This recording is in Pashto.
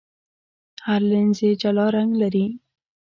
هر لینز یې جلا رنګ لري.